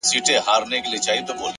لوړ لید لوري لوی بدلون راولي.!